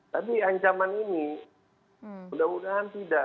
tapi ancaman ini mudah mudahan tidak